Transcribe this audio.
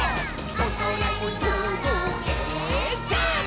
「おそらにとどけジャンプ！！」